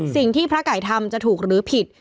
สิ่งที่พระไก่ทำจะถูกหรือผิด